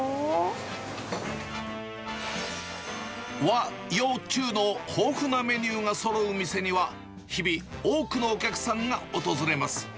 和洋中の豊富なメニューがそろう店には、日々、多くのお客さんが訪れます。